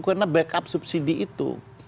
karena backup subsidi itu